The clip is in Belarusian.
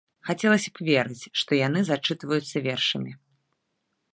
Хацелася б верыць, што яны зачытваюцца вершамі.